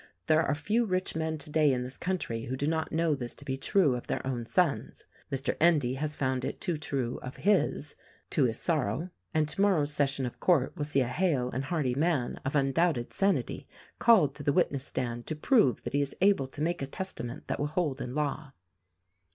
There are few rich men today in this country who do not know this to be true of their own sons. Mr. Endy has found it too true of his, to his sorrow; and tomorrow's session of court will see a hale and hearty man, of undoubted sanity, called to the wit ness stand to prove that he is able to make a testament that will hold in law.